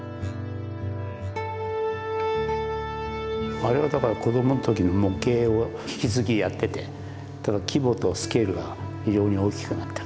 あれはだから子どもの時の模型を引き続きやっててただ規模とスケールが非常に大きくなった。